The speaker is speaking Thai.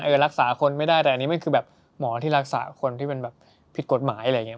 เออรักษาคนไม่ได้แต่อันนั้นคือหมอที่รักษาคนถูกผิดกฎหมายอะไรอย่างเงี้ย